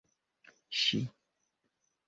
ŝi